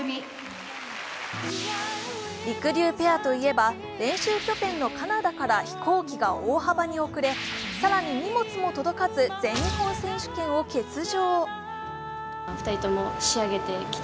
りくりゅうペアといえば、練習拠点のカナダから飛行機が大幅に遅れ、更に荷物も届かず全日本選手権を欠場。